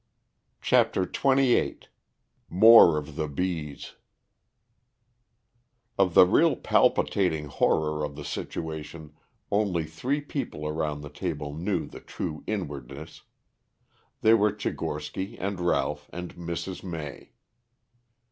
CHAPTER XXVIII MORE OF THE BEES Of the real palpitating horror of the situation only three people round the table knew the true inwardness. They were Tchigorsky and Ralph and Mrs. May.